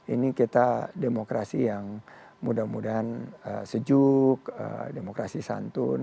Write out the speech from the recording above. ini kita demokrasi yang mudah mudahan sejuk demokrasi santun